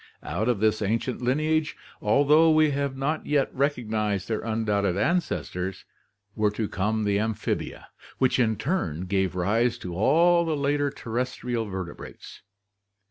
Out of this ancient lineage, al though we have not yet recognized their undoubted ancestors, were to come the amphibia, which in turn gave rise to all the later terres trial vertebrates.